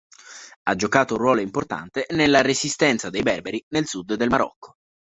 Ha giocato un ruolo importante nella resistenza dei berberi nel sud del Marocco.